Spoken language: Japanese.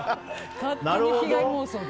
勝手に被害妄想で。